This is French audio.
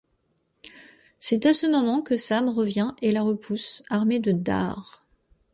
C'est à ce moment que Sam revient et la repousse, armé de Dard.